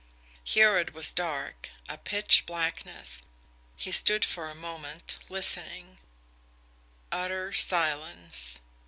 Here it was dark a pitch blackness. He stood for a moment, listening utter silence.